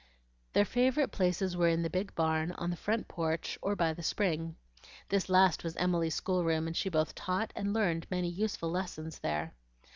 Their favorite places were in the big barn, on the front porch, or by the spring. This last was Emily's schoolroom, and she both taught and learned many useful lessons there.